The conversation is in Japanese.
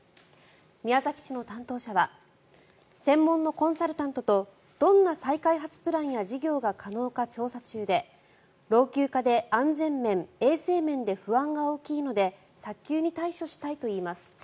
宮崎市の担当者は専門のコンサルタントとどんな再開発プランや事業が可能か調査中で老朽化で安全面・衛生面で不安が大きいので早急に対処したいといいます。